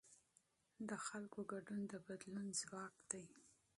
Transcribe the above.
د خلکو ګډون د بدلون ځواک دی